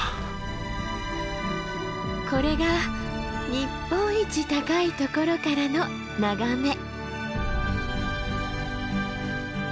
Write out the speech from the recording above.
これが日本一高いところからの眺め。